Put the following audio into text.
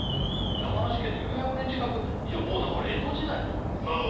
山梨県で４００年近く以上もうだから江戸時代とかなのかな